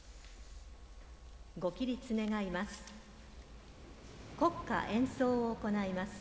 ご起立願います。